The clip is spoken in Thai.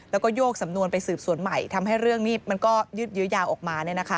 แล้วก็โยกสำนวนไปสืบสวนใหม่ทำให้เรื่องนี้มันก็ยืดยื้อยาวออกมา